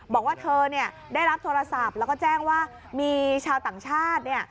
บอกว่าเธอได้รับโทรศัพท์แล้วก็แจ้งว่ามีชาวต่างชาติ